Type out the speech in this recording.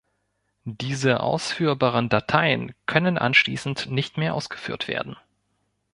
Diese ausführbaren Dateien können anschließend nicht mehr ausgeführt werden.